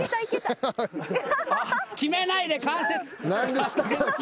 決めないで関節。